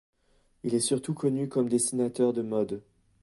Il est surtout connu comme dessinateur de mode.